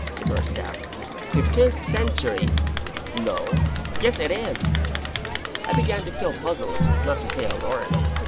he burst out; "fifteenth century, no, yes, it is!" I began to feel puzzled, not to say alarmed.